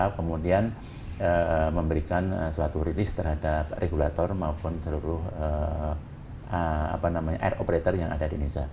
kemudian memberikan suatu rilis terhadap regulator maupun seluruh air operator yang ada di indonesia